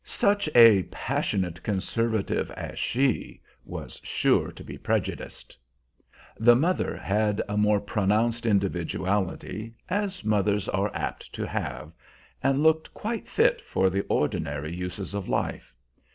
Such a passionate conservative as she was sure to be prejudiced. The mother had a more pronounced individuality, as mothers are apt to have, and looked quite fit for the ordinary uses of life.